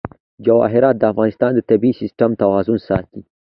جواهرات د افغانستان د طبعي سیسټم توازن ساتي.